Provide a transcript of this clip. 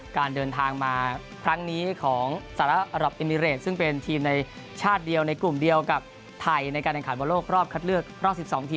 การเดินทางมาครั้งนี้ของสหรัฐอรับเอมิเรตซึ่งเป็นทีมในชาติเดียวในกลุ่มเดียวกับไทยในการแข่งขันบอลโลกรอบคัดเลือกรอบ๑๒ทีม